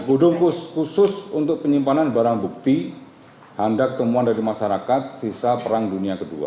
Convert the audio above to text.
budung khusus untuk penyimpanan barang bukti handak temuan dari masyarakat sisa perang dunia ii